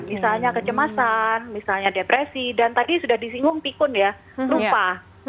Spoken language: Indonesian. misalnya kecemasan misalnya depresi dan tadi sudah disinggung pikun ya rupa